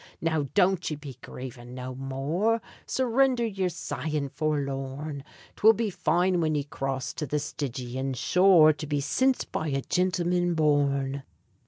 Now don't yez be gravin' no more, Surrinder yer sighin' forlorn! 'Twill be fine whin ye cross to the Stygian shore, To be sint by a gintleman born.